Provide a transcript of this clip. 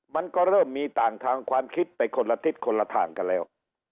มันก็เริ่มมีต่างทางความคิดไปคนละทิศคนละทางกันแล้ว